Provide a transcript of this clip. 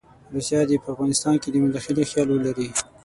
روسیه دې په افغانستان کې د مداخلې خیال ولري.